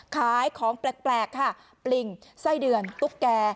ขายของแปลกค่ะปลิงไส้เดือนตุ๊กแก่